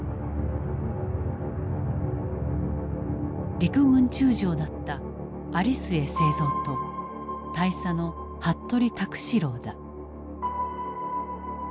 陸軍中将だった有末精三と大佐の服部卓四郎だ。